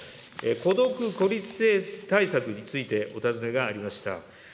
孤独・孤立対策についてお尋ねがありました。